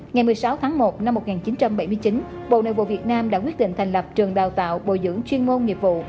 ngày một mươi sáu tháng một năm một nghìn chín trăm bảy mươi chín bộ nội vụ việt nam đã quyết định thành lập trường đào tạo bồi dưỡng chuyên môn nghiệp vụ